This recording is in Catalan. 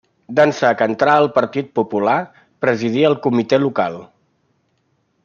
D'ençà que entrà al Partit Popular, presidí el comitè local.